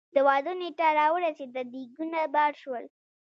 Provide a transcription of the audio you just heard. د واده نېټه را ورسېده ديګونه بار شول.